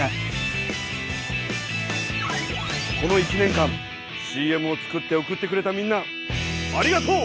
この１年間ＣＭを作って送ってくれたみんなありがとう！